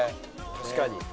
確かに。